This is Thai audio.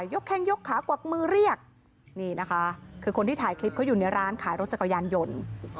แข้งยกขากวักมือเรียกนี่นะคะคือคนที่ถ่ายคลิปเขาอยู่ในร้านขายรถจักรยานยนต์